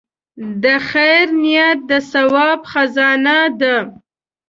د خیر نیت د ثواب خزانه ده.